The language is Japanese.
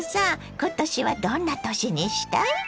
今年はどんな年にしたい？